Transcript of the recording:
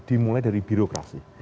dimulai dari birokrasi